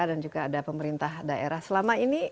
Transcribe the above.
dan juga ada pemerintah daerah selama ini